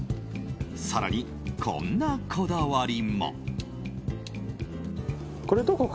更に、こんなこだわりも。